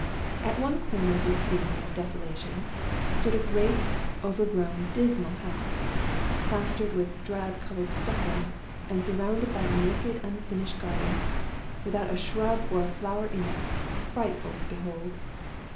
At one corner of this scene of desolation, stood a great overgrown dismal house, plastered with drab colored stucco, and surrounded by a naked, unfinished garden, without a shrub or a flower in it, frightful to behold.